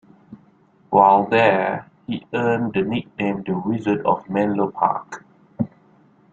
While there, he earned the nickname "the Wizard of Menlo Park".